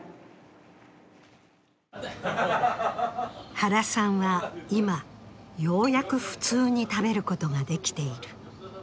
原さんは今、ようやく普通に食べることができている。